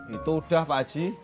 itu udah pak aci